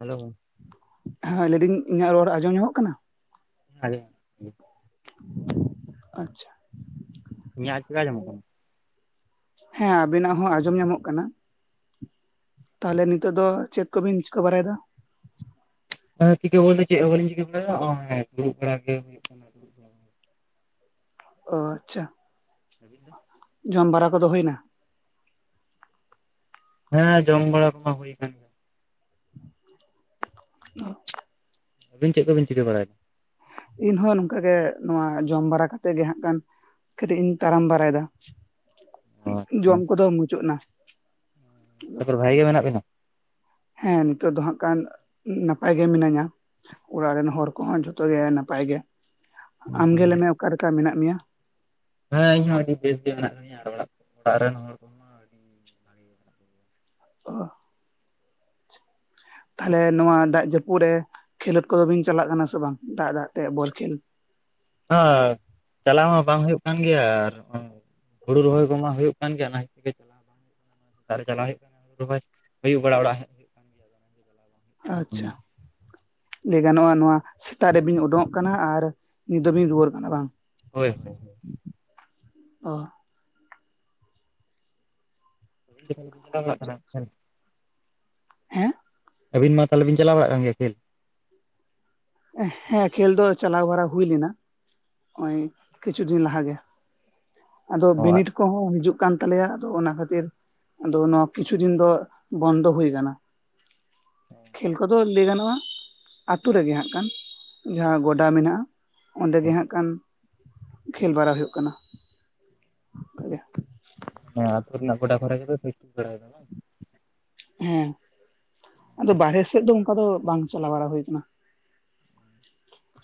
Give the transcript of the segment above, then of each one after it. Hello ᱦᱮ ᱞᱟᱹᱭᱫᱤᱧ ᱤᱧᱟᱹᱜ ᱨᱚᱲ ᱟᱸᱡᱚᱢ ᱧᱟᱢᱚᱜ ᱠᱟᱱᱟ᱾ ᱦᱮᱞᱳ ᱟᱪᱪᱷᱟ ᱤᱧᱟᱜ ᱪᱮᱠᱟ ᱟᱡᱚ ᱢᱚᱜ ᱠᱟᱱᱟ᱾ ᱦᱮ ᱟᱵᱤᱱᱟᱜ ᱦᱚ ᱟᱸᱡᱚᱢ ᱧᱟᱢᱚᱜ ᱠᱟᱱᱟ ᱛᱟᱦᱚᱞᱮ ᱱᱤᱛᱚᱜ ᱫᱚ ᱪᱮᱫ ᱠᱚᱵᱤᱱ ᱪᱤᱠᱟᱹ ᱵᱟᱲᱟᱭ ᱫᱟ ᱪᱤᱠᱟᱹ ᱵᱚᱞᱛᱮ ᱪᱮᱫ ᱦᱚ ᱵᱟᱹᱞᱤᱧ ᱪᱤᱠᱟᱹ ᱵᱟᱲᱟᱭ ᱫᱟ ᱦᱚᱜᱼᱚᱭ ᱫᱩᱲᱩᱵ ᱵᱟᱲᱟᱟᱜ ᱜᱮ ᱦᱩᱭᱩᱜ ᱠᱟᱱᱟ ᱾ ᱚᱻ ᱟᱪᱪᱷᱟ ᱟᱹᱵᱤᱱ ᱫᱚ ᱡᱚᱢ ᱵᱟᱲᱟ ᱠᱚᱫᱚ ᱦᱩᱭ ᱱᱟ᱾ ᱦᱮᱸ ᱡᱚᱢ ᱵᱟᱲᱟ ᱠᱚᱢᱟ ᱦᱩᱭ ᱠᱟᱱ ᱜᱮᱭᱟ ᱚ ᱟᱹᱵᱤᱱ ᱪᱮᱫ ᱠᱚᱵᱤᱱ ᱪᱤᱠᱟᱹ ᱵᱟᱲᱟᱭ ᱩᱱ ᱦᱚᱸ ᱱᱚᱝᱠᱟ ᱜᱮ ᱱᱚᱣᱟ ᱡᱚᱢ ᱵᱟᱲᱟ ᱠᱟᱛᱮ ᱜᱮ ᱦᱟᱸᱜ ᱠᱷᱟᱱ ᱠᱟᱹᱴᱤᱡ ᱤᱧ ᱛᱟᱲᱟᱢ ᱵᱟᱨᱟᱭ ᱫᱟ ᱚ ᱟᱪᱪᱷᱟ᱾ ᱡᱚᱢ ᱠᱚᱫᱚ ᱢᱩᱪᱟᱹᱫ ᱱᱟ᱾ ᱛᱟᱯᱚᱨᱮ ᱵᱷᱟᱜᱤ ᱜᱮ ᱢᱮᱱᱟᱜ ᱵᱤᱱᱟ ᱦᱮ ᱱᱤᱛᱚᱜ ᱫᱚ ᱦᱟᱜ ᱠᱷᱟᱱ ᱱᱟᱯᱟᱭ ᱜᱮ ᱢᱤᱱᱟᱹᱧᱟ ᱚᱲᱟᱜ ᱨᱮᱱ ᱦᱚᱲ ᱠᱚ ᱦᱚᱸ ᱡᱷᱚᱛᱚ ᱜᱮ ᱱᱟᱯᱟᱭ ᱜᱮ ᱟᱢ ᱜᱮ ᱞᱟᱹᱭ ᱢᱮ ᱚᱠᱟ ᱞᱮᱠᱟ ᱢᱮᱱᱟᱜ ᱢᱮᱭᱟ ᱦᱮᱸ ᱤᱧ ᱦᱚᱸ ᱟᱹᱰᱤ ᱵᱮᱥ ᱜᱮ ᱢᱮᱱᱟᱜ ᱠᱟᱫᱤᱧᱟ ᱟᱨ ᱚᱲᱟᱜ ᱚᱲᱟᱜ ᱨᱮᱱ ᱦᱚᱲ ᱠᱚᱦᱚᱸ ᱟᱹᱰᱤ ᱵᱷᱟᱜᱮ ᱜᱮ ᱢᱮᱱᱟᱜ ᱠᱚᱜᱮᱭᱟ᱾ ᱚ ᱛᱟᱦᱞᱮ ᱱᱚᱣᱟ ᱫᱟᱜ ᱡᱟᱹᱯᱩᱫ ᱨᱮ ᱠᱷᱮᱞᱳᱰ ᱠᱚᱫᱚ ᱵᱤᱱ ᱪᱟᱞᱟᱜ ᱠᱟᱱᱟ ᱥᱮ ᱵᱟᱝ ᱫᱟᱜ ᱫᱟᱜ ᱛᱮ ᱵᱚᱞ ᱠᱷᱮᱞ ᱦᱳᱭ ᱪᱟᱞᱟᱣ ᱢᱟ ᱵᱟᱝ ᱦᱩᱭᱩᱜ ᱠᱟᱱ ᱜᱮᱭᱟ ᱟᱨ ᱦᱚᱸ ᱦᱩᱲᱩ ᱨᱚᱦᱚᱭ ᱠᱚᱢᱟ ᱢᱟ ᱦᱩᱭᱩᱜ ᱠᱟᱱ ᱜᱮᱭᱟ ᱚᱱᱟ ᱠᱷᱟᱹᱛᱤᱨ ᱫᱟᱨᱤ ᱪᱟᱞᱟ ᱦᱩᱭᱩᱜ ᱨᱚᱦᱚᱭ ᱟᱹᱭᱩᱵ ᱵᱟᱲᱟ ᱚᱲᱟᱜ ᱦᱮᱜ ᱟᱪᱪᱷᱟ ᱞᱟᱹᱭ ᱜᱟᱱᱚᱜᱼᱟ ᱱᱚᱣᱟ ᱥᱮᱛᱟᱜ ᱨᱮᱵᱤᱱ ᱩᱰᱩᱝᱼᱚᱜ ᱠᱟᱱᱟ ᱟᱨ ᱱᱤᱛ ᱫᱚ ᱵᱤᱱ ᱨᱩᱣᱟᱹᱲ ᱠᱟᱱᱟ ᱵᱟᱝ ᱦᱳᱭ ᱦᱳᱭ [inaudible] ᱚ [inaudible] ᱦᱮᱸ ᱟᱹᱵᱤᱱ ᱢᱟ ᱛᱟᱦᱚᱞᱮ ᱵᱤᱱ ᱪᱟᱞᱟᱣ ᱵᱟᱲᱟᱜ ᱠᱟᱱ ᱜᱮᱭᱟ ᱠᱷᱮᱞ ᱮᱸ ᱦᱮᱸ ᱠᱷᱮᱞ ᱫᱚ ᱪᱟᱞᱟᱣ ᱵᱟᱲᱟ ᱦᱩᱭ ᱞᱮᱱᱟ᱾ ᱚ ᱠᱤᱪᱷᱩ ᱫᱤᱱ ᱞᱟᱦᱟ ᱜᱮ ᱟᱫᱚ ᱚ ᱵᱤᱱᱤᱰ ᱠᱚᱦᱚᱸ ᱦᱤᱡᱩᱜ ᱦᱩᱭᱩᱜ ᱠᱟᱱ ᱛᱟᱞᱮᱭᱟ ᱟᱫᱚ ᱚᱱᱟ ᱠᱷᱟᱹᱛᱤᱨ ᱟᱫᱚ ᱱᱚᱣᱟ ᱠᱤᱪᱷᱩ ᱫᱤᱱ ᱫᱚ ᱵᱚᱱᱫᱚ ᱦᱩᱭ ᱟᱠᱟᱱᱟ ᱠᱷᱮᱞ ᱠᱚᱫᱚ ᱞᱟᱹᱭ ᱜᱟᱱᱚᱜᱼᱟ᱾ ᱟᱛᱳ ᱨᱮᱜᱮ ᱦᱟᱸᱜ ᱠᱷᱟᱱ ᱡᱟᱦᱟᱸ ᱜᱚᱰᱟ ᱢᱮᱱᱟᱜᱼᱟ ᱚᱸᱰᱮ ᱜᱮ ᱦᱟᱸᱜ ᱠᱷᱟᱱ ᱠᱷᱮᱞ ᱵᱟᱲᱟ ᱦᱩᱭᱩᱜ ᱠᱟᱱᱟ ᱚᱱᱠᱟ ᱜᱮ ᱱᱳᱭᱟ ᱟᱹᱛᱩ ᱨᱮᱱᱟᱜ ᱜᱚᱰᱟ ᱠᱚᱨᱮ ᱜᱮ ᱯᱮ ᱯᱮᱠᱴᱤᱥ ᱵᱟᱲᱟᱭ ᱫᱟ ᱦᱮᱸ ᱟᱫᱚ ᱵᱟᱨᱦᱮ ᱥᱮᱫ ᱫᱚ ᱚᱱᱠᱟ ᱫᱚ ᱵᱟᱝ ᱪᱟᱞᱟᱣ ᱵᱟᱲᱟ ᱦᱩᱭ ᱟᱠᱟᱱᱟ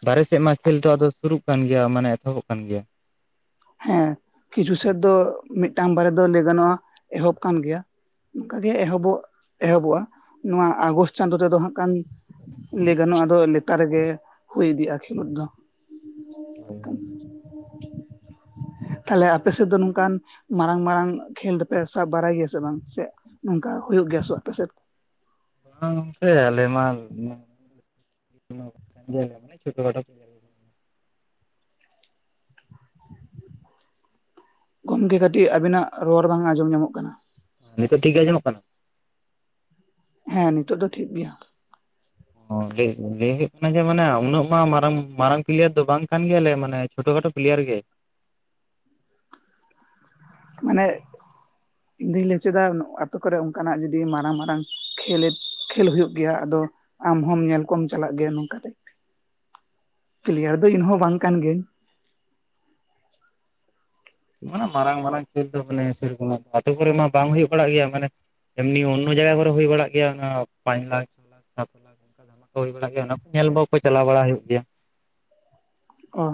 ᱵᱟᱨᱮ ᱥᱮᱫ ᱢᱟ ᱠᱷᱮᱞ ᱴᱟᱜ ᱫᱚ ᱥᱩᱨᱩᱜ ᱠᱟᱱ ᱜᱮᱭᱟ ᱢᱟᱱᱮ ᱮᱛᱚᱦᱚᱵᱚᱜ ᱠᱟᱱ ᱜᱮᱭᱟ ᱦᱮᱸ ᱠᱤᱪᱷᱩ ᱥᱮᱨ ᱫᱚ ᱢᱤᱫᱴᱟᱝ ᱵᱟᱨᱮ ᱫᱚ ᱞᱟᱹᱭ ᱜᱟᱱᱚᱜᱼᱟ ᱮᱦᱚᱵ ᱠᱟᱱ ᱜᱮᱭᱟ ᱱᱚᱱᱠᱟᱜᱮ ᱮᱦᱚᱵᱚᱜ ᱮᱦᱚᱵᱚᱜᱼᱟ ᱱᱚᱣᱟ ᱟᱜᱚᱥᱴ ᱪᱟᱸᱫᱳ ᱨᱮᱫᱚ ᱦᱟᱜ ᱠᱟᱱ ᱞᱟᱹᱭ ᱜᱟᱱᱚᱜ ᱟᱫᱚ ᱞᱮᱛᱟᱨ ᱨᱮᱜᱮ ᱦᱩᱭ ᱤᱫᱤᱜᱼᱟ ᱠᱷᱮᱞᱳᱰ ᱫᱚ ᱦᱮ [inaudible] ᱛᱟᱦᱞᱮ ᱟᱯᱮ ᱥᱮᱫ ᱫᱚ ᱱᱚᱝᱠᱟᱱ ᱢᱟᱨᱟᱝ ᱢᱟᱨᱟᱝ ᱠᱷᱮᱞ ᱫᱚᱯᱮ ᱥᱟᱵ ᱵᱟᱲᱟᱭ ᱜᱮᱭᱟ ᱥᱮ ᱵᱟᱝ ᱥᱮ ᱱᱚᱝᱠᱟ ᱦᱩᱭᱩᱜ ᱜᱮᱭᱟ ᱥᱮ ᱟᱯᱮ ᱥᱮᱫ᱾ ᱜᱚᱝᱠᱮ ᱟᱞᱮ ᱢᱟ [inaudible] ᱪᱷᱴᱚ ᱠᱷᱟᱴᱚ ᱠᱷᱮᱞ ᱜᱚᱝᱠᱮ ᱠᱟᱹᱴᱤᱡ ᱟᱵᱤᱱᱟᱜ ᱨᱚᱲ ᱵᱟᱝ ᱟᱸᱡᱚᱢ ᱧᱟᱢᱚᱜ ᱠᱟᱱᱟ, ᱱᱤᱛᱳᱜ ᱴᱷᱤᱠ ᱜᱮ ᱟᱸᱡᱚᱢᱚᱜ ᱠᱟᱱᱟ? ᱦᱮᱸ ᱱᱤᱛᱚᱜ ᱫᱚ ᱴᱷᱤᱠ ᱜᱮᱭᱟ᱾ ᱚᱸ ᱞᱟᱹᱭ ᱞᱟᱹᱭ ᱦᱩᱭᱩᱜ ᱠᱟᱱᱟ ᱡᱮ ᱢᱟᱱᱮ ᱩᱱᱟᱹᱜ ᱢᱟ ᱢᱟᱨᱟᱝ ᱢᱟᱨᱟᱝ ᱯᱞᱤᱭᱟᱨ ᱫᱚ ᱵᱟᱝ ᱠᱟᱱ ᱜᱮᱭᱟᱞᱮ ᱢᱟᱱᱮ ᱪᱷᱳᱴᱚ ᱠᱷᱟᱴᱳ ᱯᱞᱤᱭᱟᱨ ᱜᱮ, ᱢᱟᱱᱮ ᱤᱧ ᱫᱩᱧ ᱞᱟᱹᱭ ᱦᱚᱪᱚᱭᱫᱟ, ᱟᱛᱳ ᱠᱚᱨᱮ ᱚᱱᱠᱟᱱᱟᱜ ᱡᱩᱫᱤ ᱢᱟᱨᱟᱝ ᱢᱟᱨᱟᱝ ᱠᱷᱮᱞᱮᱫ, ᱠᱷᱮᱞ ᱦᱩᱭᱩᱜ ᱜᱮᱭᱟ ᱟᱫᱚ ᱟᱢ ᱦᱚᱸᱢ ᱧᱮᱞ ᱠᱚᱢ ᱪᱟᱞᱟᱜ ᱜᱮᱭᱟ ᱱᱚᱝᱠᱟᱛᱮ, ᱯᱞᱤᱭᱟᱨ ᱫᱚ ᱤᱧᱦᱚᱸ ᱵᱟᱝ ᱠᱟᱱ ᱜᱤᱭᱟᱹᱧ᱾ ᱢᱟᱱᱮ ᱢᱟᱨᱟᱝ ᱢᱟᱨᱟᱝ ᱠᱷᱮᱞ ᱫᱚ ᱢᱟᱱᱮ ᱨᱮᱠᱚᱢᱟᱜ ᱫᱚ ᱟᱛᱳ ᱠᱚᱨᱮ ᱢᱟ ᱵᱟᱝ ᱦᱩᱭᱩᱜ ᱵᱟᱲᱟᱜ ᱜᱮᱭᱟ ᱢᱟᱱᱮ ᱮᱢᱱᱤ ᱚᱱᱱᱚ ᱡᱟᱭᱜᱟ ᱠᱚᱨᱮ ᱦᱩᱭ ᱵᱟᱲᱟᱜ ᱜᱮᱭᱟ ᱚᱱᱟ ᱯᱟᱸᱪ ᱞᱟᱠᱷ, ᱪᱷᱚ ᱞᱟᱠᱷ, ᱥᱟᱛ ᱞᱟᱠᱷ ᱞᱮᱠᱟ ᱫᱷᱟᱢᱟᱠᱟ ᱠᱚ ᱦᱩᱭ ᱵᱟᱲᱟᱜ ᱜᱮᱭᱟ ᱚᱱᱟ ᱠᱚ ᱧᱮᱞ [unintelligible] ᱪᱟᱞᱟᱣ ᱵᱟᱲᱟ ᱦᱩᱭᱩᱜ ᱜᱮᱭᱟ᱾ ᱚ᱾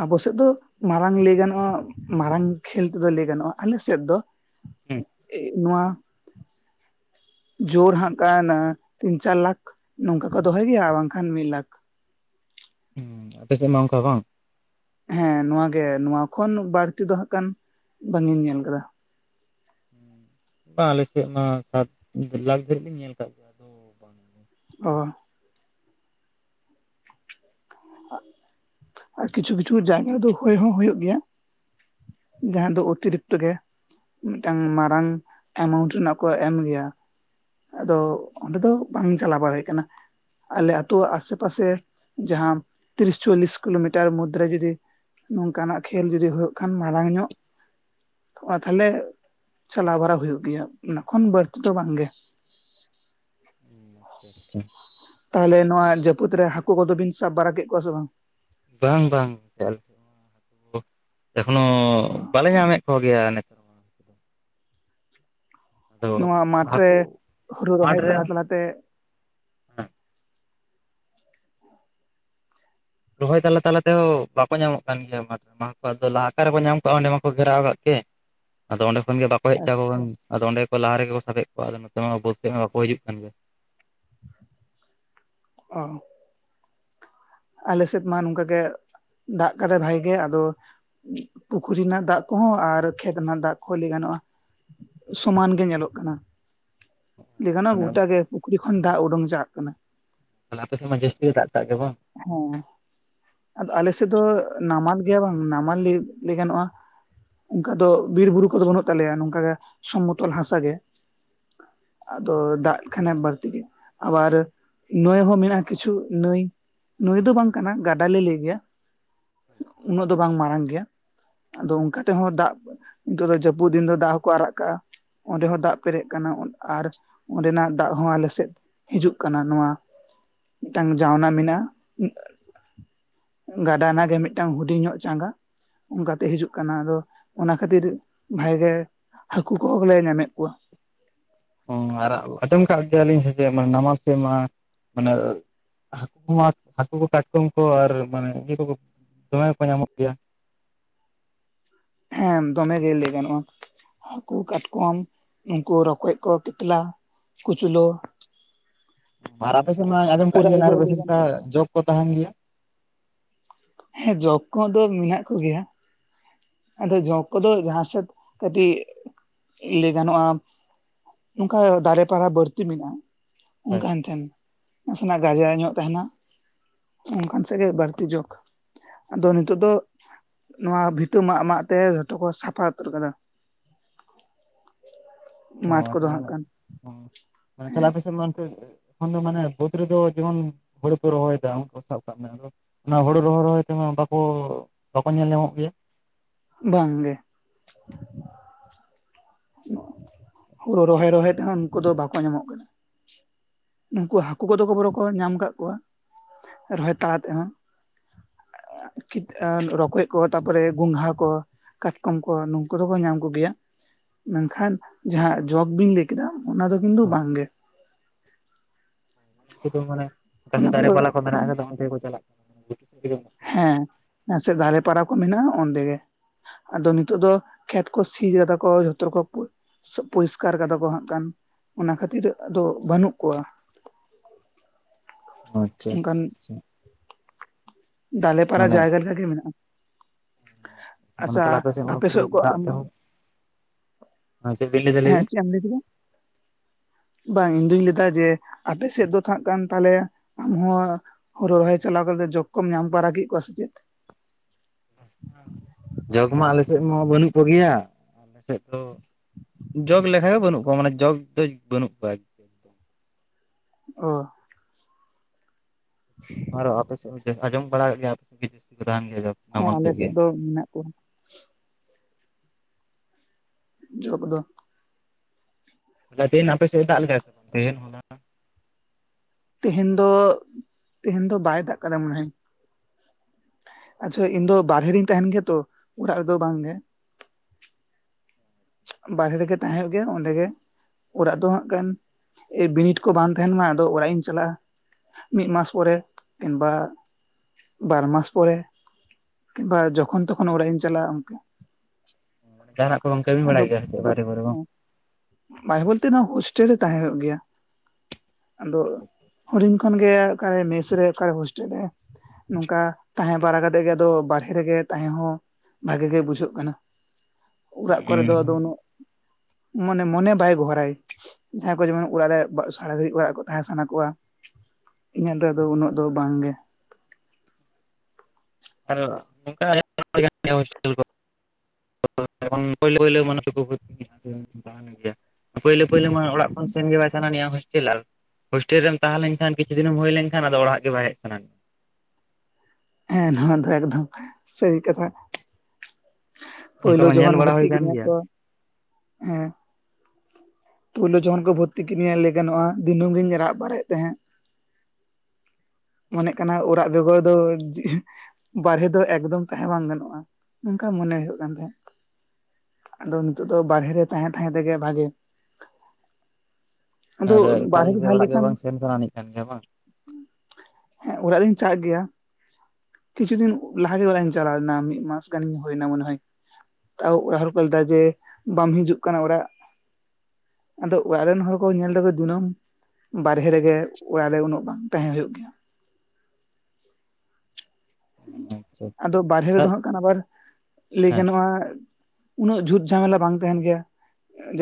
ᱟᱵᱚ ᱥᱮᱫ ᱫᱚ ᱢᱟᱨᱟᱝ ᱞᱟᱹᱭ ᱜᱟᱱᱚᱜᱼᱟ ᱢᱟᱨᱟᱝ ᱠᱷᱮᱞ ᱛᱮᱫᱚ ᱞᱟᱹᱭ ᱜᱟᱱᱚᱜᱼᱟ᱾ ᱟᱞᱮ ᱥᱮᱫ ᱫᱚ ᱦᱩᱸ ᱮᱜ ᱱᱚᱣᱟ ᱡᱳᱨ ᱦᱟᱸᱜ ᱛᱟᱦᱮᱸᱱᱟ ᱛᱤᱱ, ᱪᱟᱨ ᱞᱟᱠᱷ, ᱱᱚᱝᱠᱟ ᱠᱚ ᱫᱚᱦᱚᱭ ᱜᱮᱭᱟ ᱟᱨ ᱵᱟᱝᱠᱷᱟᱱ ᱢᱤᱫ ᱞᱟᱠᱷ᱾ ᱦᱩᱸ ᱟᱯᱮ ᱥᱮᱫ ᱢᱟ ᱚᱝᱠᱟ ᱵᱟᱝ? ᱦᱮᱸ ᱱᱚᱣᱟ ᱜᱮ, ᱱᱚᱣᱟ ᱠᱷᱚᱱ ᱵᱟᱹᱲᱛᱤ ᱫᱚ ᱦᱟᱸᱜ ᱠᱟᱱ ᱵᱟᱝ ᱤᱧ ᱧᱮᱞ ᱠᱟᱫᱟ ᱾ ᱵᱟᱝ ᱟᱞᱮ ᱥᱮᱫ ᱢᱟ ᱥᱟᱛ ᱞᱟᱠᱷ ᱫᱷᱟᱨᱤᱡ ᱧᱮᱞ ᱠᱟᱜ ᱜᱮᱭᱟ᱾ ᱟᱫᱚ ᱵᱟᱝ ᱚ᱾ ᱟᱨ ᱠᱤᱪᱷᱩ ᱠᱤᱪᱷᱩ ᱡᱟᱭᱜᱟ ᱫᱚ ᱦᱩᱭ ᱦᱚᱸ ᱦᱩᱭᱩᱜ ᱜᱮᱭᱟ, ᱡᱟᱦᱟᱸ ᱫᱚ ᱚᱛᱤᱨᱤᱠᱛᱚ ᱜᱮ ᱢᱤᱫᱴᱟᱝ ᱢᱟᱨᱟᱝ ᱮᱢᱟᱣᱩᱱᱴ ᱨᱮᱱᱟᱜ ᱠᱚ ᱮᱢ ᱜᱮᱭᱟ᱾ ᱟᱫᱚ ᱚᱸᱰᱮ ᱫᱚ ᱵᱟᱝ ᱪᱟᱞᱟᱣ ᱵᱟᱲᱟ ᱦᱩᱭ ᱠᱟᱱᱟ᱾ ᱟᱞᱮ ᱟᱛᱩᱣᱟᱜ ᱟᱥᱮ ᱯᱟᱥᱮ, ᱡᱟᱦᱟᱸ ᱛᱤᱨᱤᱥ, ᱪᱚᱞᱞᱤᱥ ᱠᱤᱞᱳᱢᱤᱴᱟᱨ ᱢᱩᱫᱽ ᱨᱮ ᱡᱩᱫᱤ, ᱱᱚᱝᱠᱟᱱᱟᱜ ᱠᱷᱮᱞ ᱡᱩᱫᱤ ᱦᱳᱭᱳᱜ ᱠᱷᱟᱱ ᱢᱟᱲᱟᱝ ᱧᱚᱜ ᱚᱱᱟ ᱛᱟᱦᱞᱮ ᱪᱟᱞᱟᱣ ᱵᱟᱨᱟ ᱦᱩᱭᱩᱜ ᱜᱮᱭᱟ, ᱚᱱᱟ ᱠᱷᱚᱱ ᱵᱟᱹᱲᱛᱤ ᱫᱚ ᱵᱟᱝ ᱜᱮ᱾ ᱟᱪᱪᱷᱟ ᱟᱪᱪᱷᱟ ᱾ ᱛᱟᱦᱚᱞᱮ ᱱᱚᱣᱟ ᱡᱟᱹᱯᱩᱫ ᱨᱮ ᱦᱟᱹᱠᱩ ᱠᱚᱫᱚ ᱵᱤᱱ ᱥᱟᱵ ᱵᱟᱨᱟ ᱠᱮᱫ ᱠᱚᱣᱟ ᱥᱮ ᱵᱟᱝ? ᱵᱟᱝ ᱵᱟᱝ ᱜᱚᱝᱠᱮ ᱟᱞᱮ ᱥᱮᱫ ᱢᱟ ᱦᱟᱹᱠᱩ ᱫᱚ, ᱮᱠᱷᱚᱱᱳ ᱵᱟᱞᱮ ᱧᱟᱢᱮᱫ ᱠᱚ ᱜᱮᱭᱟ ᱱᱮᱛᱚᱜ᱾ ᱟᱫᱚ ᱱᱚᱣᱟ ᱢᱟᱴᱷ ᱨᱮ ᱦᱟᱹᱠᱩ ᱦᱩᱨᱩ ᱢᱟᱴᱷ ᱨᱚᱦᱚᱭ ᱨᱮ ᱛᱟᱞᱟ ᱛᱟᱞᱟᱛᱮ? ᱨᱚᱦᱚᱭ ᱛᱟᱞᱟ ᱛᱟᱞᱟ ᱛᱮᱦᱚᱸ ᱵᱟᱠᱚ ᱧᱟᱢᱚᱜ ᱠᱟᱱ ᱜᱮᱭᱟ ᱢᱟᱴᱷ ᱨᱮ, [inaudible] ᱟᱫᱚ ᱞᱟᱦᱟ ᱟᱠᱟᱨᱮ ᱵᱚ ᱧᱟᱢ ᱠᱚᱜᱼᱟ ᱚᱸᱰᱮ ᱢᱟᱠᱚ ᱜᱷᱮᱨᱟᱣ ᱠᱟᱜ ᱜᱮ᱾ ᱟᱫᱚ ᱚᱸᱰᱮ ᱠᱷᱚᱱ ᱜᱮ ᱵᱟᱠᱚ ᱦᱮᱡ ᱦᱚᱪᱚ ᱟᱠᱚ ᱟᱪᱪᱷᱟ, ᱠᱟᱱ, ᱟᱫᱚ ᱚᱸᱰᱮ ᱠᱚ ᱞᱟᱦᱟ ᱨᱮᱜᱮ ᱠᱚ ᱥᱟᱵᱮᱫ ᱠᱚᱣᱟ ᱟᱫᱚ ᱱᱚᱛᱮ ᱢᱟ ᱵᱟᱹᱛ ᱥᱮᱫ ᱢᱟ ᱵᱟᱠᱚ ᱦᱤᱡᱩᱜ ᱠᱟᱱ ᱜᱮᱭᱟ᱾ ᱚ᱾ ᱟᱞᱮ ᱥᱮᱫ ᱢᱟ ᱱᱚᱝᱠᱟᱜᱮ ᱞ, ᱫᱟᱜ ᱠᱟᱫᱟᱭ ᱵᱷᱟᱜᱮ ᱜᱮ ᱟᱫᱚ ᱯᱩᱠᱷᱩᱨᱤ ᱨᱮᱱᱟᱜ ᱫᱟᱜ ᱠᱚᱦᱚᱸ ᱟᱨ ᱠᱷᱮᱛ ᱨᱮᱱᱟᱜ ᱫᱟᱜ ᱠᱚᱦᱚᱸ ᱞᱟᱹᱭ ᱜᱟᱱᱚᱜᱼᱟ ᱥᱚᱢᱟᱱ ᱜᱮ ᱧᱮᱞᱚᱜ ᱠᱟᱱᱟ᱾ ᱞᱟ. ᱭ ᱜᱟᱱᱚᱜ-ᱟ ᱢᱟᱱᱮ ᱜᱚᱴᱟ ᱜᱮ ᱯᱩᱠᱷᱨᱤ ᱠᱷᱚᱱ ᱫᱟᱜ ᱩᱰᱩᱝ ᱪᱟᱜ ᱠᱟᱱᱟ᱾ ᱛᱟᱦᱞᱮ ᱟᱯᱮ ᱥᱮᱫ ᱢᱟ ᱡᱟᱹᱛᱤ ᱜᱮ ᱫᱟᱜ ᱴᱟᱜ ᱜᱮ ᱵᱟᱝ? ᱦᱚᱸ᱾ ᱟᱫᱚ ᱟᱞᱮ ᱥᱮᱫ ᱫᱚ ᱱᱟᱢᱟᱞ ᱜᱮᱭᱟ ᱵᱟᱝ ᱱᱟᱢᱟᱞᱤᱭᱟᱹ ᱞᱟᱹᱭ ᱜᱟᱱᱚᱜᱼᱟ᱾ ᱚᱝᱠᱟ ᱫᱚ ᱵᱤᱨ ᱵᱩᱨᱩ ᱠᱚᱫᱚ ᱵᱟᱹᱱᱩᱜ ᱛᱟᱞᱮᱭᱟ ᱱᱚᱝᱠᱟ ᱜᱮ, ᱥᱚᱢᱚᱛᱚᱞ ᱦᱟᱥᱟ ᱜᱮ᱾ ᱟᱫᱚ ᱫᱟᱜ ᱠᱷᱟᱱᱮ ᱵᱟᱹᱲᱛᱤ ᱜᱮ, ᱟᱵᱟᱨ ᱱᱟᱹᱭ ᱦᱚᱸ ᱢᱮᱱᱟᱜᱼᱟ ᱠᱤᱪᱷᱩ ᱱᱟᱹᱭ᱾ ᱱᱟᱹᱭ ᱫᱚ ᱵᱟᱝ ᱠᱟᱱᱟ ᱜᱟᱰᱟ ᱞᱮ ᱞᱟᱹᱭ ᱜᱮᱭᱟ, ᱩᱱᱟᱹᱜ ᱫᱚ ᱵᱟᱝ ᱢᱟᱨᱟᱝ ᱜᱮᱭᱟ᱾ ᱟᱫᱚ ᱚᱝᱠᱟ ᱛᱮᱦᱚᱸ ᱫᱟᱜ, ᱱᱤᱛᱚᱜ ᱫᱚ ᱡᱟᱹᱯᱩᱫ ᱫᱤᱱ ᱫᱚ ᱫᱟᱜ ᱦᱚᱸ ᱠᱚ ᱟᱨᱟᱜ ᱠᱟᱜᱼᱟ᱾ ᱚᱸᱰᱮ ᱦᱚᱸ ᱫᱟᱜ ᱯᱮᱨᱮᱡ ᱟᱠᱟᱱᱟ, ᱟᱨ ᱚᱸᱰᱮᱱᱟᱜ ᱫᱟᱜ ᱦᱚᱸ ᱟᱞᱮᱥᱮᱫ ᱦᱤᱡᱩᱜ ᱠᱟᱱᱟ, ᱱᱚᱣᱟ ᱢᱤᱫᱴᱟᱝ ᱡᱟᱣᱱᱟ ᱢᱮᱱᱟᱜᱼᱟ ᱜᱟᱰᱟ ᱨᱮᱱᱟᱜ ᱜᱮ ᱢᱤᱫᱴᱟᱝ ᱦᱩᱰᱤᱧ ᱧᱚᱜ ᱪᱟᱸᱜᱟ ᱾ ᱚᱱᱠᱟᱛᱮ ᱦᱤᱡᱩᱜ ᱠᱟᱱᱟ ᱟᱫᱚ ᱚᱱᱟ ᱠᱷᱟᱹᱛᱤᱨ ᱵᱷᱟᱜᱮ ᱜᱮ ᱦᱟᱠᱩ ᱠᱚᱦᱚᱸ ᱞᱮ ᱧᱟᱢᱮᱫ ᱠᱚᱣᱟ ᱾ ᱚ ᱟᱨ ᱟᱸᱡᱚᱢ ᱠᱟᱜ ᱜᱮᱭᱟᱞᱤᱧ ᱥᱮ ᱪᱮᱫ ᱢᱟᱱᱮ ᱱᱟᱢᱟᱞ ᱥᱮᱫᱢᱟ ᱢᱟᱱᱮ ᱦᱟᱹᱠᱩ ᱢᱟ ᱦᱟᱹᱠᱩ ᱠᱚ, ᱠᱟᱴᱠᱚᱢ ᱠᱚ ᱟᱨ ᱢᱟᱱᱮ ᱤᱭᱟᱹ ᱠᱚ ᱫᱚᱢᱮ ᱠᱚ ᱧᱟᱢᱚᱜ ᱜᱮᱭᱟ ᱾ ᱦᱮᱸ ᱫᱚᱢᱮ ᱜᱮ ᱞᱟᱹᱭ ᱜᱟᱱᱚᱜᱼᱟ ᱾ ᱦᱟᱹᱠᱩ, ᱠᱟᱴᱠᱚᱢ ᱩᱱᱠᱩ ᱨᱚᱠᱚᱡ ᱠᱚ, ᱠᱟᱛᱞᱟ, ᱠᱩᱪᱞᱳ ᱾ ᱟᱨ ᱟᱯᱮ ᱥᱮᱫ ᱢᱟᱧ ᱟᱸᱡᱚᱢ ᱠᱟᱜ ᱚᱲᱟᱜ ᱜᱮᱭᱟ ᱨᱮᱫᱚ ᱟᱨ ᱞᱟᱹᱭ ᱵᱮᱥᱤ ᱜᱟᱱᱚᱜ ᱪᱮᱛᱟ ᱡᱚᱠ ᱠᱚ ᱛᱟᱦᱮᱱ ᱜᱮᱭᱟ? ᱦᱮᱸ ᱡᱚᱸᱠ ᱠᱚ ᱫᱚ ᱢᱮᱱᱟᱜ ᱠᱚ ᱜᱮᱭᱟ ᱾ ᱟᱫᱚ ᱡᱚᱸᱠ ᱠᱚᱫᱚ ᱡᱟᱦᱟᱸ ᱥᱮᱫ ᱠᱟᱹᱴᱤᱡ ᱞᱟᱹᱭ ᱜᱟᱱᱚᱜᱼᱟ ᱱᱚᱝᱠᱟ ᱫᱟᱨᱮ ᱯᱟᱞᱟ ᱵᱟᱹᱲᱛᱤ ᱢᱮᱱᱟᱜᱼᱟ ᱦᱳᱭ ᱚᱱᱠᱟᱱ ᱴᱷᱮᱱ ᱾ ᱱᱟᱥᱮᱱᱟᱜ ᱜᱟᱡᱟᱲ ᱧᱚᱜ ᱛᱟᱦᱮᱸᱱᱟ ᱚᱱᱠᱟᱱ ᱥᱮᱫ ᱜᱮ ᱵᱟᱹᱲᱛᱤ ᱡᱚᱸᱠ, ᱟᱫᱚ ᱱᱤᱛᱚᱜ ᱫᱚ ᱱᱚᱣᱟ ᱵᱷᱤᱛᱟ ᱢᱟᱜᱼᱢᱟᱜ ᱛᱮ ᱡᱚᱛᱚ ᱠᱚ ᱥᱟᱯᱷᱟ ᱩᱛᱟᱹᱨ ᱠᱟᱫᱟ ᱾ ᱚ ᱟᱪᱪᱷᱟ ᱢᱟᱱᱮ ᱢᱟᱱᱮ ᱛᱟᱦᱚᱞᱮ ᱟᱯᱮ ᱥᱮᱫ ᱢᱟ ᱱᱤᱛᱳᱜ ᱮᱠᱷᱚᱱ ᱫᱚ ᱢᱟᱱᱮ ᱵᱟᱹᱫᱽ ᱨᱮᱫᱚ ᱡᱮᱢᱚᱱ ᱦᱳᱲᱩ ᱠᱚ ᱨᱚᱦᱚᱭᱮᱫᱟ ᱩᱱᱠᱩ ᱥᱟᱵ ᱠᱟᱜ ᱢᱮ ᱟᱫᱚ ᱚᱱᱟ ᱦᱩᱲᱩ ᱨᱚᱦᱚᱭ ᱨᱚᱦᱚᱭ ᱛᱮᱢᱟ ᱵᱟᱠᱚ, ᱵᱟᱠᱚ ᱧᱮᱞ ᱧᱟᱢᱚᱜ ᱜᱮᱭᱟ? ᱵᱟᱝ ᱜᱮ ᱾ ᱦᱩᱲᱩ ᱨᱚᱦᱚᱭ ᱨᱚᱦᱚᱭ ᱛᱮᱦᱚᱸ ᱩᱱᱠᱩ ᱫᱚ ᱵᱟᱠᱚ ᱧᱮᱞ ᱧᱟᱢᱚᱜ ᱠᱟᱱᱟ ᱾ ᱱᱩᱠᱩ ᱦᱟᱹᱠᱩ ᱠᱚᱫᱚ ᱠᱚ ᱵᱚᱨᱚᱝ ᱠᱚ ᱧᱟᱢ ᱟᱠᱟᱫ ᱠᱚᱣᱟ ᱾ ᱨᱚᱦᱚᱭ ᱛᱟᱞᱟ ᱛᱮ ᱦᱚᱸ ᱾ ᱨᱚᱠᱚᱡ ᱠᱚ, ᱛᱟᱨᱯᱚᱨᱮ, ᱜᱚᱝᱜᱷᱟ ᱠᱚ ᱾ ᱠᱟᱴᱠᱚᱢ ᱠᱚ ᱱᱩᱠᱩ ᱫᱚᱠᱚ ᱧᱟᱢ ᱠᱚᱜᱮᱭᱟ ᱾ ᱢᱮᱱᱠᱷᱟᱱ ᱡᱟᱦᱟᱸ ᱡᱚᱸᱠ ᱵᱤᱱ ᱞᱟᱹᱭ ᱠᱮᱫᱟ ᱚᱱᱟ ᱫᱚ ᱠᱤᱱᱛᱩ ᱵᱟᱝ ᱜᱮ ᱾ ᱩᱱᱠᱩ ᱫᱚ ᱢᱟᱱᱮ ᱚᱠᱟ ᱥᱮᱫ ᱫᱟᱨᱮ, ᱯᱟᱞᱟ ᱠᱚ ᱢᱮᱱᱟᱜ ᱟᱠᱟᱫᱟ ᱚᱱᱛᱮ ᱜᱮ ᱠᱚ ᱪᱟᱞᱟᱜ [unintelligible] ᱜᱷᱩᱴᱩ ᱥᱮᱫ ᱨᱮᱜᱮ ᱦᱮᱸ ᱡᱟᱦᱟ ᱥᱮᱫ ᱫᱟᱨᱮ ᱯᱟᱲᱟ ᱠᱚ ᱢᱮᱱᱟᱜᱼᱟ ᱚᱸᱰᱮ ᱜᱮ ᱾ ᱟᱫᱚ ᱱᱤᱛᱚᱜ ᱫᱚ ᱠᱷᱮᱛ ᱠᱚ ᱥᱤ ᱠᱟᱫᱟ ᱠᱚ, ᱡᱷᱚᱛᱚ ᱦᱚᱲ ᱠᱚ ᱯᱚᱨᱤᱥᱠᱟᱨ ᱠᱟᱫᱟ ᱠᱚ ᱦᱟᱸᱜ ᱠᱷᱟᱱ ᱚᱱᱟ ᱠᱷᱟᱹᱛᱤᱨ ᱟᱫᱚ ᱵᱟᱹᱱᱩᱜ ᱠᱚᱣᱟ ᱾ ᱚ ᱟᱪᱷᱟ ᱚᱱᱠᱟᱱ ᱟᱪᱷᱟ ᱟᱪᱪᱷᱟ ᱾ ᱫᱟᱞᱮ ᱯᱟᱲᱟ ᱡᱟᱭᱜᱟ ᱞᱮᱠᱟ ᱜᱮ ᱢᱮᱱᱟᱜᱼᱟ ᱾ ᱢᱟᱱᱮ ᱟᱪᱪᱷᱟ ᱛᱟᱦᱚᱞᱮ ᱢᱟ ᱟᱯᱮ ᱯᱩᱨᱟᱹ ᱥᱮᱫ ᱠᱚᱜ ᱫᱟᱜ ᱟᱢ, ᱛᱮᱦᱚᱸ ᱪᱮᱫ ᱵᱤᱱ ᱞᱟᱹᱭᱫᱟ ᱦᱮᱸ ᱵᱤᱱ ᱪᱮᱫ ᱮᱢ ᱞᱟᱹᱭ ᱠᱮᱫᱟ? ᱵᱟᱝ ᱤᱧ ᱫᱩᱧ ᱞᱟᱹᱭ ᱫᱟ ᱡᱮ ᱟᱯᱮ ᱥᱮᱫ ᱫᱚ ᱛᱚ ᱦᱟᱸᱜ ᱠᱷᱟᱱ ᱛᱟᱦᱞᱮ ᱟᱢ ᱦᱚᱸ ᱦᱲᱩ ᱨᱚᱦᱚᱭ ᱪᱟᱞᱟᱣ ᱠᱟᱛᱮ ᱡᱚᱸᱠ ᱠᱚᱢ ᱧᱟᱢ ᱯᱟᱨᱟ ᱠᱮᱫ ᱠᱚᱣᱟ ᱥᱮ ᱪᱮᱫ? ᱦᱮᱸ ᱾ ᱡᱚᱸᱠ ᱢᱟ ᱟᱞᱮ ᱥᱮᱫ ᱢᱟ ᱵᱟᱹᱱᱩᱜ ᱠᱚᱜᱮᱭᱟ, ᱟᱞᱮ ᱥᱮᱫ ᱫᱚ ᱡᱚᱸᱠ ᱞᱮᱠᱷᱟ ᱜᱮ ᱵᱟᱹᱱᱩᱜ ᱠᱚᱣᱟ, ᱢᱟᱱᱮ ᱡᱚᱸᱠ ᱫᱚ ᱵᱟᱹᱱᱩᱜ ᱠᱚᱣᱟ ᱾ ᱮᱠᱫᱚᱢ ᱾ ᱚ ᱾ ᱟᱨ ᱟᱯᱮ ᱥᱮᱫ ᱦᱚᱸ ᱟᱸᱡᱚᱢ ᱵᱟᱲᱟᱣ ᱠᱟᱜ ᱜᱤᱭᱟᱹᱧ ᱟᱯᱮ ᱥᱮᱫ ᱜᱮ ᱡᱟᱹᱥᱛᱤ ᱠᱚ ᱛᱟᱦᱮᱱ ᱜᱮᱭᱟ ᱡᱚᱸᱠ ᱾ ᱦᱮᱸ ᱟᱞᱮ ᱥᱮᱫ ᱫᱚ ᱢᱮᱱᱟᱜ ᱠᱚᱣᱟ ᱾ ᱡᱚᱸᱠ ᱫᱚ ᱾ ᱛᱮᱦᱮᱱ ᱟᱯᱮ ᱥᱮᱫ ᱮ ᱫᱟᱜ ᱞᱮᱫᱟ ᱥᱮ ᱵᱟᱝ ᱛᱮᱦᱮᱱ ᱦᱚᱞᱟ? ᱛᱮᱦᱮᱧ ᱫᱚ ᱛᱮᱦᱮᱧ ᱫᱚ ᱵᱟᱭ ᱫᱟᱜ ᱠᱟᱫᱟ ᱢᱚᱱᱮ ᱦᱚᱭ ᱾ ᱟᱪᱪᱷᱟ ᱤᱧ ᱫᱚ ᱵᱟᱨᱦᱮ ᱨᱤᱧ ᱛᱟᱦᱮᱱ ᱜᱮᱭᱟ ᱛᱚ ᱚᱲᱟᱜ ᱨᱮᱫᱚ ᱵᱟᱝ᱾ ᱵᱟᱦᱨᱮ ᱨᱮᱜᱮ ᱛᱟᱦᱮᱸ ᱦᱩᱭᱩᱜ ᱜᱮᱭᱟ ᱚᱸᱰᱮ ᱜᱮ ᱚᱲᱟᱜ ᱫᱚ ᱦᱟᱜ ᱠᱟᱱ, ᱵᱤᱱᱤᱰ ᱠᱚ ᱵᱟᱝ ᱛᱟᱦᱮᱱ ᱢᱟ ᱟᱫᱚ ᱚᱲᱟᱜ ᱤᱧ ᱪᱟᱞᱟᱜᱼᱟ᱾ ᱢᱤᱫ ᱢᱟᱥ ᱯᱚᱨᱮ ᱠᱤᱝᱵᱟ ᱵᱟᱨ ᱢᱟᱥ ᱯᱚᱨᱮ, ᱵᱟ ᱡᱚᱠᱷᱚᱱ ᱛᱚᱠᱷᱚᱱ ᱚᱲᱟᱜ ᱤᱧ ᱪᱟᱞᱟᱜᱼᱟ, ᱚᱱᱠᱟ ᱡᱟᱦᱟᱱᱟᱜ ᱠᱚᱢ ᱠᱟᱹᱢᱤ ᱵᱟᱲᱟᱭ ᱜᱮᱭᱟ ᱟᱨ ᱵᱟᱨᱦᱮ ᱠᱚᱨᱮᱫ ᱫᱚ᱾ ᱵᱟᱭᱨᱮ ᱵᱚᱞᱛᱮ ᱱᱚᱣᱟ ᱦᱳᱥᱴᱮᱞ ᱨᱮ ᱛᱟᱦᱮᱸ ᱦᱩᱭᱩᱜ ᱜᱮᱭᱟ᱾ ᱟᱫᱚ [inaudible] ᱦᱩᱰᱤᱧ ᱠᱷᱚᱱ ᱜᱮ ᱚᱠᱟᱨᱮ ᱢᱮᱥ ᱨᱮ ᱚᱠᱟᱨᱮ ᱦᱳᱥᱴᱮᱞ ᱨᱮ ᱱᱚᱝᱠᱟ ᱛᱟᱦᱮᱸ ᱵᱟᱲᱟ ᱠᱟᱛᱮᱜ ᱜᱮ ᱟᱫᱚ ᱵᱟᱨᱦᱮ ᱨᱮᱜᱮ ᱛᱟᱦᱮᱸ ᱦᱚᱸ ᱵᱷᱟᱜᱮ ᱜᱮ ᱵᱩᱡᱷᱟᱹᱜ ᱠᱟᱱᱟ ᱚᱲᱟᱜ ᱠᱚᱨᱮ ᱫᱚ ᱟᱫᱚ ᱩᱱᱟᱹᱜ ᱢᱟᱱᱮ ᱢᱚᱱᱮ ᱵᱟᱭ ᱜᱚᱦᱚᱨᱟᱭ᱾ ᱡᱟᱸᱦᱟᱸ ᱠᱚ ᱡᱮᱢᱚᱱ ᱚᱲᱟᱜ ᱨᱮ ᱥᱟᱨᱟ ᱜᱷᱟᱲᱤ ᱚᱲᱟᱜ ᱨᱮ ᱛᱟᱦᱮᱸ ᱥᱟᱱᱟ ᱠᱚᱣᱟ, ᱤᱧᱟᱹᱜ ᱫᱚ ᱟᱫᱚ ᱩᱱᱟᱹᱜ ᱫᱚ ᱵᱟᱝ ᱜᱮ᱾ [unintelligible] [unintelligible] ᱯᱟ. ᱭᱞᱟ. ᱯᱟ. ᱭᱞᱟ. ᱢᱟᱱᱮ ᱠᱚ ᱵᱷᱚᱨᱛᱤ ᱮᱱᱟ ᱥᱮ ᱜᱮᱭᱟ, ᱯᱳᱭᱞᱳ ᱯᱳᱭᱞᱳ ᱢᱟ ᱚᱲᱟᱜ ᱠᱷᱚᱱ ᱥᱮᱱ ᱜᱮ ᱵᱟᱭ ᱛᱟᱦᱮᱱᱟ ᱱᱤᱭᱟᱹ ᱦᱳᱥᱴᱮᱞ ᱟᱨ ᱦᱳᱴᱮᱞ ᱨᱮ ᱛᱟᱦᱮᱸ ᱞᱮᱱᱠᱷᱟᱱ ᱠᱤᱪᱷᱩ ᱫᱤᱱᱮᱢ ᱦᱩᱭ ᱞᱮᱱᱠᱷᱟᱱ ᱟᱫᱚ ᱚᱲᱟᱜ ᱵᱟᱭ ᱦᱮᱡ ᱥᱟᱱᱟ ᱢᱮᱭᱟ᱾ ᱦᱮᱸ ᱱᱚᱣᱟ ᱫᱚ ᱮᱠᱫᱚᱢ ᱥᱟᱹᱨᱤ ᱠᱟᱛᱷᱟ᱾ ᱚᱱᱠᱟ ᱯᱳᱭᱞᱳ ᱢᱟ ᱧᱮᱞ ᱡᱚᱠᱷᱚᱱ ᱵᱟᱲᱟ ᱵᱷᱚᱨᱛᱤ ᱦᱩᱭ ᱟᱠᱟᱱ ᱠᱤᱫᱤᱧᱟ ᱜᱮᱭᱟ᱾ ᱠᱚ ᱦᱮᱸ ᱯᱳᱭᱞᱳ ᱡᱚᱠᱷᱚᱱ ᱠᱚ ᱵᱷᱚᱨᱛᱤ ᱠᱤᱫᱤᱧᱟ ᱞᱟᱹᱭ ᱜᱟᱱᱚᱜᱼᱟ ᱫᱤᱱᱟᱹᱢ ᱜᱤᱧ ᱨᱟᱜ ᱵᱟᱲᱟᱭᱮᱫ ᱛᱟᱦᱮᱸᱫ᱾ ᱢᱚᱱᱮ ᱠᱟᱱᱟ ᱚᱲᱟᱜ ᱵᱮᱜᱚᱦᱚᱨ ᱫᱚ ᱵᱟᱨᱦᱮ ᱫᱚ ᱮᱠᱫᱚᱢ ᱛᱟᱦᱮᱸ ᱵᱟᱝ ᱜᱟᱱᱚᱜᱼᱟ, ᱱᱚᱝᱠᱟ ᱢᱚᱱᱮ ᱦᱩᱭᱩᱜ ᱠᱟᱱ ᱛᱟᱦᱮᱸᱫ᱾ ᱟᱫᱚ ᱱᱤᱛᱚᱜ ᱫᱚ ᱵᱟᱦᱨᱮ ᱨᱮ ᱛᱟᱦᱮᱸ ᱛᱟᱦᱮᱸ ᱛᱮᱜᱮ ᱵᱷᱟᱜᱮ᱾ ᱟᱫᱚ ᱮᱠᱟᱞ ᱵᱟᱨᱦᱮ ᱨᱮ ᱜᱮ ᱛᱟᱦᱮᱸ ᱚᱲᱟᱜ ᱜᱮ ᱞᱮᱠᱷᱟᱱ ᱵᱟᱝ ᱥᱮᱱ ᱥᱟᱱᱟᱱᱤᱡ ᱠᱟᱱ ᱜᱮᱭᱟ ᱵᱟᱝ᱾ ᱦᱮᱸ ᱚᱲᱟᱜ ᱤᱧ ᱪᱟᱜ ᱜᱮᱭᱟ᱾ ᱠᱤᱪᱷᱩ ᱫᱤᱱ ᱞᱟᱦᱟ ᱜᱮ ᱚᱲᱟᱜ ᱤᱧ ᱪᱟᱞᱟᱣᱱᱟ ᱢᱤᱫ ᱢᱟᱥ ᱜᱟᱱᱤᱧ ᱦᱩᱭᱮᱱᱟ ᱢᱚᱱᱮ ᱦᱚᱭ᱾ ᱛᱟᱣ ᱚᱲᱟᱜ ᱦᱚᱲ ᱠᱚ ᱞᱮᱫᱟ ᱡᱮ ᱵᱟᱢ ᱦᱤᱡᱩᱜ ᱠᱟᱱᱟ ᱚᱲᱟᱜ᱾ ᱟᱫᱚ ᱚᱲᱟᱜ ᱨᱮᱱ ᱦᱚᱲ ᱠᱚ ᱧᱮᱞ ᱫᱟᱠᱚ ᱫᱤᱱᱟᱹᱢ ᱵᱟᱨᱦᱮ ᱨᱮᱜᱮ ᱚᱲᱟᱜ ᱨᱮ ᱩᱱᱟᱹᱜ ᱵᱟᱝ ᱛᱟᱦᱮᱸ ᱦᱩᱭᱩᱜ ᱜᱮᱭᱟ᱾ ᱟᱪᱪᱷᱟ ᱟᱫᱚ ᱵᱟᱦᱨᱮ ᱨᱮᱫᱚ ᱦᱟᱜ ᱟᱵᱟᱨ ᱞᱟᱹᱭ ᱦᱮᱸ ᱜᱟᱱᱚᱜᱼᱟ, ᱩᱱᱟᱹᱜ ᱡᱷᱩᱴ ᱡᱷᱟᱢᱮᱞᱟ ᱵᱟᱝ ᱛᱟᱦᱮᱱ ᱜᱮᱭᱟ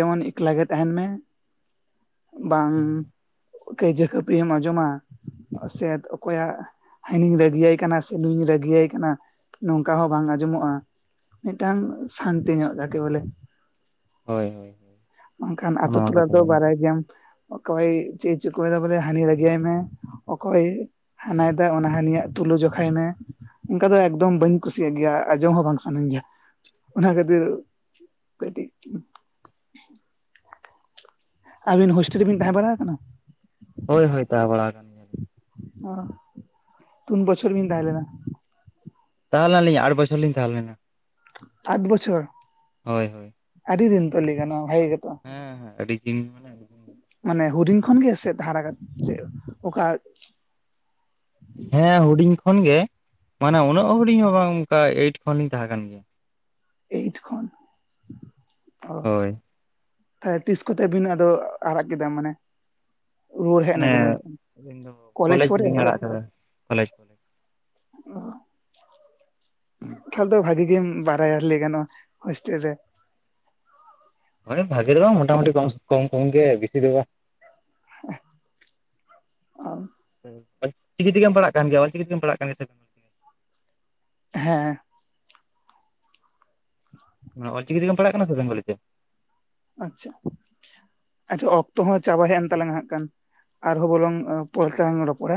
ᱡᱮᱢᱚᱱ ᱮᱠᱞᱟ ᱜᱮ ᱛᱟᱦᱮᱱ ᱢᱮ᱾ ᱵᱟᱝ ᱠᱟᱹᱭᱡᱟᱹ ᱠᱷᱟ. ᱯᱟ. ᱨᱤᱢ ᱟᱸᱡᱚᱢᱟ ᱥᱮ ᱚᱠᱚᱭᱟᱜ ᱦᱟᱹᱱᱤ ᱨᱟᱹᱜᱤᱭᱟᱭ ᱠᱟᱱᱟ ᱥᱮ ᱱᱩᱧ ᱨᱟᱹᱜᱤᱭᱟᱭ ᱠᱟᱱᱟ ᱱᱚᱝᱠᱟ ᱦᱚᱸ ᱵᱟᱝ ᱟᱸᱡᱚᱢᱚᱜᱼᱟ᱾ ᱢᱤᱫᱴᱟᱝ ᱥᱟᱱᱛᱤ ᱧᱚᱜ ᱡᱟᱠᱮ ᱵᱚᱞᱮ᱾ ᱦᱳᱭ ᱦᱳᱭ ᱦᱳᱭ ᱵᱟᱝᱠᱷᱟᱱ ᱟᱛᱳ ᱚᱱᱟ ᱢᱟ ᱴᱚᱞᱟ ᱠᱟᱛᱷᱟ ᱨᱮᱫᱚ ᱠᱟᱱ ᱜᱮᱭᱟ ᱵᱟᱲᱟᱭ ᱜᱮᱭᱟᱢ᱾ ᱚᱠᱚᱭ ᱪᱮᱫᱮ ᱪᱤᱟᱭᱫᱟ ᱵᱚᱞᱮ ᱦᱟᱱᱤ ᱨᱟᱜᱤ ᱟᱭ ᱢᱮ᱾ ᱚᱠᱚᱭ ᱦᱟᱱᱟᱮᱫᱟ ᱚᱱᱟ ᱦᱟᱹᱱᱤᱭᱟᱜ ᱛᱩᱞᱟᱹ ᱡᱚᱠᱷᱟ ᱠᱷᱟᱭ ᱢᱮ ᱚᱱᱠᱟ ᱫᱚ ᱮᱠᱫᱚᱢ ᱵᱟᱹᱧ ᱠᱩᱥᱤᱭᱟᱜ ᱜᱮᱭᱟ, ᱟᱸᱡᱚᱢ ᱦᱚᱸ ᱵᱟᱝ ᱥᱟᱱᱟᱧ ᱜᱮᱭᱟ ᱚᱱᱟ ᱠᱷᱟᱹᱛᱤᱨ᱾ ᱠᱟᱹᱴᱤᱡ ᱟᱹᱵᱤᱱ ᱦᱳᱥᱴᱮᱞ ᱨᱮᱵᱤᱱ ᱛᱟᱦᱮᱸ ᱵᱟᱲᱟ ᱟᱠᱟᱱᱟ᱾ ᱦᱳᱭ ᱦᱳᱭ ᱛᱟᱦᱮ ᱵᱟᱲᱟ ᱟᱠᱟᱱᱤᱧ᱾ ᱚ ᱛᱩᱱ ᱵᱚᱪᱷᱚᱨ ᱵᱤᱱ ᱛᱟᱦᱮᱸ ᱞᱮᱱᱟ᱾ ᱛᱟᱦᱮᱸ ᱞᱮᱱᱟᱞᱤᱧ ᱟᱴ ᱵᱚᱪᱷᱚᱨ ᱞᱤᱧ ᱛᱟᱦᱮᱸ ᱞᱮᱱᱟ᱾ ᱟᱴ ᱵᱚᱪᱷᱚᱨ ᱦᱳᱭ ᱦᱳᱭ ᱟᱹᱰᱤ ᱫᱤᱱ ᱛᱚ ᱞᱮᱭᱜᱟᱱᱼᱟ ᱵᱷᱟᱜᱮ ᱜᱮ ᱛᱚ᱾ ᱦᱮᱸ ᱦᱮᱸ ᱟᱹᱰᱤ ᱫᱤᱱ ᱢᱟᱱᱮ ᱢᱟᱱᱮ ᱦᱩᱰᱤᱧ ᱠᱷᱚᱱᱜᱮ ᱥᱮ ᱫᱷᱟᱨᱟᱠᱟᱨ ᱪᱮ ᱚᱠᱟ ᱦᱮᱸ ᱦᱩᱰᱤᱧ ᱠᱷᱚᱱᱜᱮ ᱢᱟᱱᱮ ᱩᱱᱟᱹᱜ ᱦᱩᱰᱤᱧ ᱦᱚᱸ ᱵᱟᱝ ᱚᱱᱠᱟ ᱮᱭᱤᱴ ᱠᱷᱚᱱᱞᱤᱧ ᱛᱟᱦᱮᱸ ᱠᱟᱱ ᱜᱮᱭᱟ ᱮᱭᱤᱴ ᱠᱷᱚᱱ ᱚ ᱦᱳᱭ ᱛᱟᱦᱚᱞᱮ ᱛᱤᱥ ᱠᱚᱛᱮ ᱵᱤᱱ ᱟᱫᱚ ᱟᱲᱟᱜ ᱠᱮᱫᱟᱢ ᱢᱟᱱᱮ? ᱚᱭ ᱦᱮᱡ ᱢᱟᱱᱮ ᱱᱟᱵᱤᱱ ᱚᱸᱰᱮ ᱟᱹᱞᱤᱧ ᱫᱚ ᱠᱚᱞᱮᱡᱽ ᱯᱚᱨᱮ ᱞᱤᱧ ᱥᱮ ᱟᱲᱟᱜ ᱠᱟᱫᱟ ᱠᱚᱞᱮᱡᱽ ᱠᱚᱞᱮᱡᱽ ᱛᱟᱦᱚᱞᱮ ᱫᱚ ᱵᱷᱟᱜᱤ ᱜᱮᱢ ᱵᱟᱲᱟᱭᱟ ᱞᱮᱭ ᱜᱟᱱᱚᱜ ᱦᱳᱥᱴᱮᱞ ᱨᱮ ᱢᱟᱱᱮ ᱵᱷᱟᱜᱤ ᱫᱚ ᱵᱟᱝ ᱢᱚᱴᱟ ᱢᱩᱴᱤ ᱠᱚᱢ ᱠᱚᱢ ᱜᱮ ᱵᱤᱥᱤ ᱫᱚ ᱵᱟ ᱦᱮ ᱟᱨ ᱚᱞ ᱪᱤᱠᱤ ᱛᱮᱜᱮ ᱯᱟᱲᱟᱜ ᱠᱟᱱ ᱜᱮᱭᱟ ᱚᱞᱪᱤᱠᱤ ᱛᱮᱢ ᱯᱟᱲᱟᱜ ᱠᱟᱱ ᱜᱮᱭᱟ ᱥᱮ ᱦᱮᱸ ᱢᱟᱱᱮ ᱚᱞ ᱪᱤᱠᱤ ᱛᱮᱜᱮᱢ ᱯᱟᱲᱦᱟᱜ ᱠᱟᱱᱟ ᱥᱮ ᱵᱮᱝᱜᱚᱞᱤ ᱛᱮ? ᱟᱪᱪᱷᱟ ᱟᱪᱪᱷᱟ ᱚᱠᱛᱚ ᱦᱚᱸ ᱪᱟᱵᱟ ᱦᱮᱡ ᱮᱱ ᱛᱟᱞᱟᱝ ᱦᱟᱜ ᱠᱷᱟᱱ ᱟᱨᱦᱚᱸ ᱵᱚᱨᱚᱝ ᱯᱚᱨᱮ ᱛᱮᱞᱟᱝ ᱨᱚᱯᱚᱲᱟ